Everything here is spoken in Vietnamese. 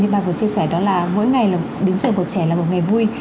như bà vừa chia sẻ đó là mỗi ngày đến trường của trẻ là một ngày vui